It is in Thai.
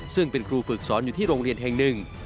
ซึ่งเป็นครูฝึกสอนอยู่ที่โรงเรียนแห่งหนึ่ง